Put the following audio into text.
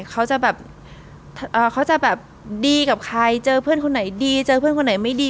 เขาจะแบบเขาจะแบบดีกับใครเจอเพื่อนคนไหนดีเจอเพื่อนคนไหนไม่ดี